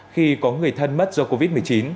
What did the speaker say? khi có người thân mất do covid một mươi chín